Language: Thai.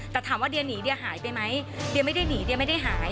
แต่ถามว่าเดียหนีเดียหายไปไหมเดียไม่ได้หนีเดียไม่ได้หาย